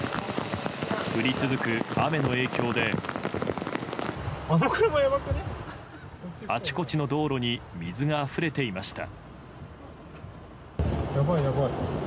降り続く雨の影響であちこちの道路に水があふれていました。